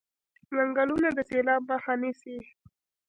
ځنګلونه د سیلاب مخه نیسي.